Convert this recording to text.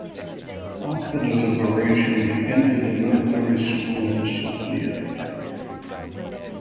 After the Liberation he entered the Military School in Sofia.